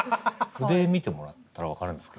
筆見てもらったら分かるんですけど。